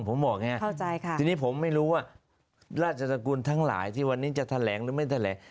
ผมบอกไงทีนี้ผมไม่รู้ว่าราชสกุลทั้งหลายที่วันนี้จะแถลงหรือไม่แถลง